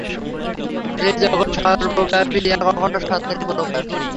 এই জগৎ সর্বব্যাপী এক অখণ্ড সত্তারই প্রকাশ।